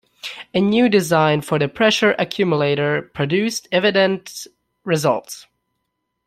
A new design for the pressure accumulator produced evident results.